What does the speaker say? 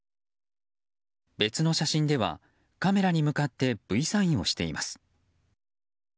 別の写真ではカメラに向かってＶサインをしています。